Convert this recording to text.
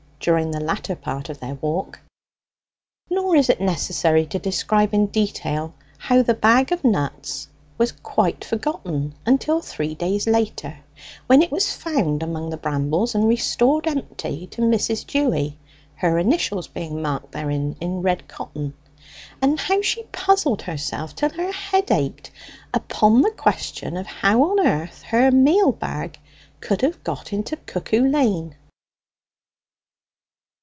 during the latter part of their walk. Nor is it necessary to describe in detail how the bag of nuts was quite forgotten until three days later, when it was found among the brambles and restored empty to Mrs. Dewy, her initials being marked thereon in red cotton; and how she puzzled herself till her head ached upon the question of how on earth her meal bag could have got into Cuckoo Lane.